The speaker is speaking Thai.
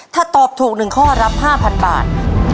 ถ้าตอบถูก๑ข้อรับ๕๐๐บาท